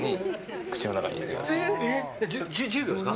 １０秒ですか？